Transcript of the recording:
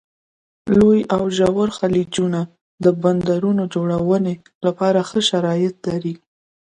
لوی او ژور خلیجونه د بندرونو جوړونې لپاره ښه شرایط لري.